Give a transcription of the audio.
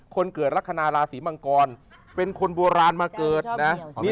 คนเกิดลักษณะราศีมังกรเป็นคนโบราณมาเกิดนะ